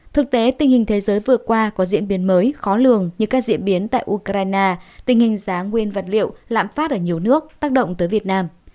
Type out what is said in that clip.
thực tế tình hình thế giới vừa qua có diễn biến mới khó lường như các diễn biến tại ukraine tình hình giá nguyên vật liệu lãm phát ở nhiều nước tác động tới việt nam